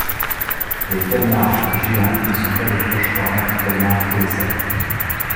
Les calmars géants ne sont pas de proches parents du calmar colossal.